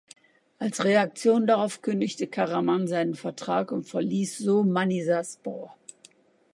Als Reaktion darauf kündigte Karaman seinen Vertrag und verließ so Manisaspor.